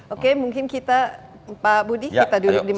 oke mungkin kita pak budi kita duduk di mana